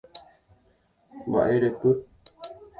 Mba'erepy.